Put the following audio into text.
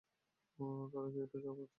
তার কি এটা খাওয়া উচিত?